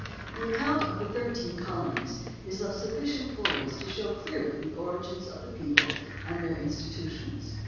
The account of the thirteen colonies is of sufficient fulness to show clearly the origins of the people and their institutions.